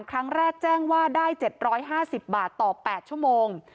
ครั้งแรกแจ้งว่าได้๗๕๐บาทต่อ๘ชั่วโมง